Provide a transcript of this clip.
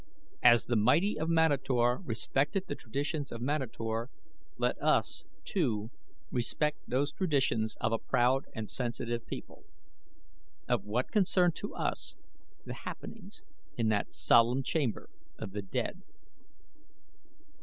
As the mighty of Manator respected the traditions of Manator, let us, too, respect those traditions of a proud and sensitive people. Of what concern to us the happenings in that solemn chamber of the dead?